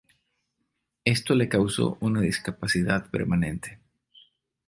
Esto le causó una discapacidad permanente.